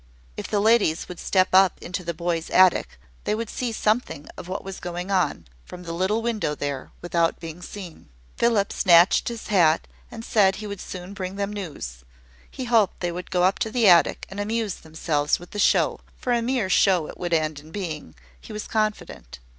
If the ladies would step up into the boy's attic, they would see something of what was going on, from the little window there, without being seen. Philip snatched his hat, and said he would soon bring them news. He hoped they would go up to the attic, and amuse themselves with the show: for a mere show it would end in being, he was confident.